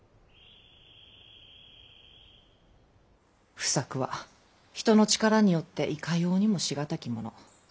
不作は人の力によっていかようにもしがたきもの。